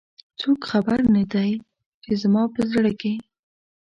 څوک خبر نه د ی، چې زما په زړه کې